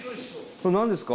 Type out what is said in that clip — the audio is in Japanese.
これ何ですか？